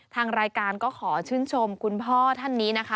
ทางรายการก็ขอชื่นชมคุณพ่อท่านนี้นะคะ